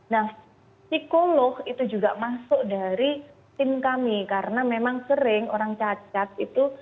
nah psikolog itu juga masuk dari tim kami karena memang sering orang cacat itu